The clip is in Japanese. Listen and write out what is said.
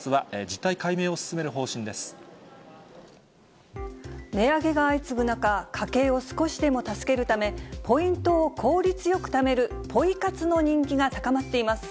今後、値上げが相次ぐ中、家計を少しでも助けるため、ポイントを効率よくためるポイ活の人気が高まっています。